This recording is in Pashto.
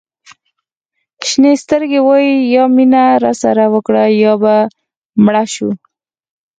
شینې سترګې وایي یا مینه راسره وکړه یا به مړه شو.